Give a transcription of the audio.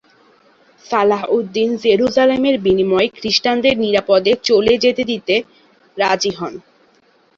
সালাহউদ্দিন জেরুসালেমের বিনিময়ে খ্রিস্টানদের নিরাপদে চলে যেতে দিতে রাজি হন।